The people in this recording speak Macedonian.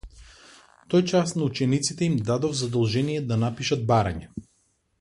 Тој час на учениците им дадов задолжение да напишат барање.